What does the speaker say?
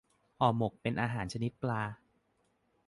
ห่อหมก เป็นอาหารชนิดปลา